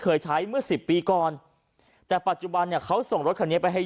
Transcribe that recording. เคยใช้เมื่อสิบปีก่อนแต่ปัจจุบันเนี่ยเขาส่งรถคันนี้ไปให้